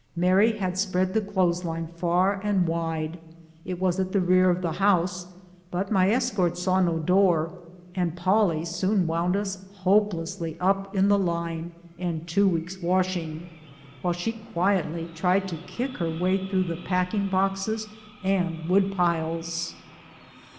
Mary had spread the clothes line far and wide; it was at the rear of the house, but my escort saw no door, and Polly soon wound us hopelessly up in the line and two weeks' washing, while she quietly tried to kick her way through the packing boxes and wood piles!